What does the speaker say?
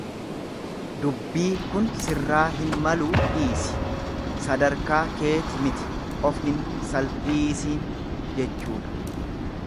Dubbii kun sirraa hin maluu dhiisi sadarkaa keeti miti of hin salphiisiin jechuudha.